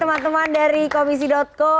terima kasih teman teman dari komisi co